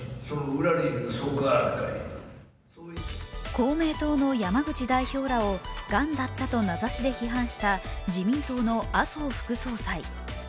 公明党の山口代表らをがんだったと名指しで批判した自民党の麻生副総裁。